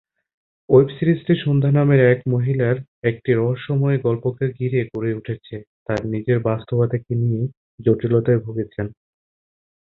Web সিরিজটি সন্ধ্যা নামে এক মহিলার একটি রহস্যময় গল্পকে ঘিরে গড়ে উঠেছে, তার নিজের বাস্তবতাকে নিয়ে জটিলতায় ভুগছেন।